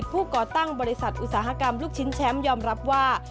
ก่อตั้งบริษัทอุตสาหกรรมลูกชิ้นแชมป์ยอมรับว่า